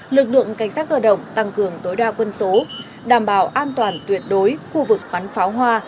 lực lượng cảnh sát cơ động tăng cường tối đa quân số đảm bảo an toàn tuyệt đối khu vực bắn pháo hoa